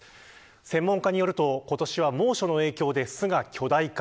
専門家によると、今年は猛暑の影響で巣が巨大化。